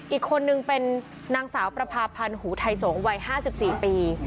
อีกคนนึงเป็นนางสาวประพาพันธ์หูไทยสงศวัย๕๔ปี